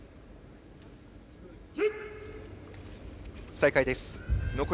再開です。